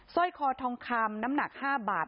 สร้อยคอทองคำน้ำหนัก๕บาท